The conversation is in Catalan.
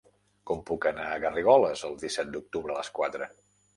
Com puc anar a Garrigoles el disset d'octubre a les quatre?